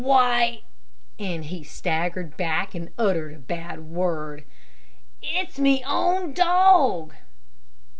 Why ," and he staggered back and uttered a bad word, "it's me own dog."